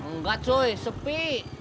nggak cuy sepi